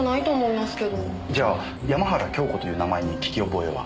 じゃあ山原京子という名前に聞き覚えは？